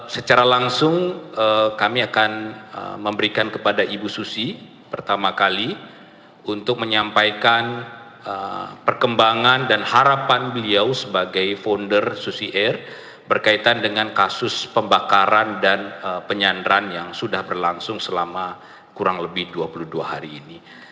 secara langsung kami akan memberikan kepada ibu susi pertama kali untuk menyampaikan perkembangan dan harapan beliau sebagai founder susi air berkaitan dengan kasus pembakaran dan penyandaran yang sudah berlangsung selama kurang lebih dua puluh dua hari ini